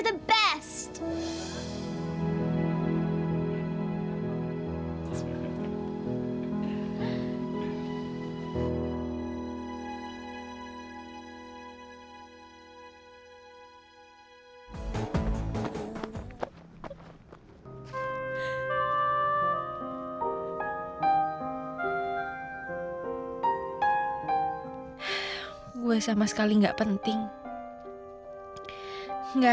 terima kasih ayah